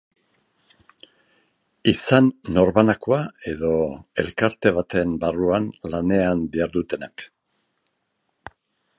Izan norbanakoa edo elkarte baten barruan lanean dihardutenak.